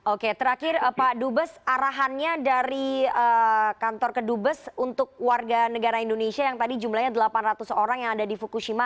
oke terakhir pak dubes arahannya dari kantor kedubes untuk warga negara indonesia yang tadi jumlahnya delapan ratus orang yang ada di fukushima